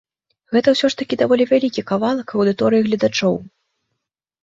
Гэта ўсё ж такі даволі вялікі кавалак аўдыторыі гледачоў.